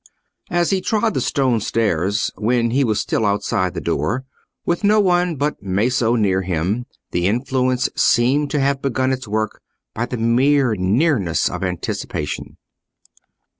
As he trod the stone stairs, when he was still outside the door, with no one but Maso near him, the influence seemed to have begun its work by the mere nearness of anticipation.